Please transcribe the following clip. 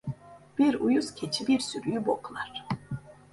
Bir uyuz keçi bir sürüyü boklar.